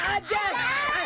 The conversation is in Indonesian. udah bang mehmet aja